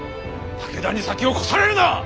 武田に先を越されるな！